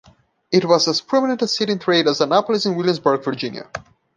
It was as prominent a city in trade as Annapolis and Williamsburg, Virginia.